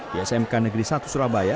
di smk negeri satu surabaya